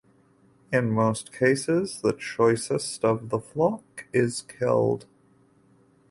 In most cases the choicest of the flock is killed.